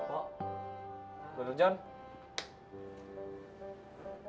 nanti deh jadi temenin ya